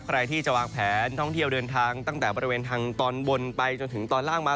ใครที่จะวางแผนท่องเที่ยวเดินทางตั้งแต่บริเวณทางตอนบนไปจนถึงตอนล่างมา